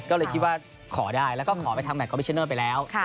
ก็เลยคิดว่าขอได้แล้วก็ขอไปทำแมทคอมพิชเนอร์ไปแล้ว